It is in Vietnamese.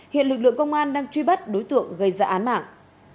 hiện lực lượng công an đang truy bắt đối tượng gây ra án mạng